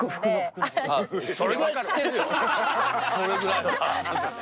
それぐらいは。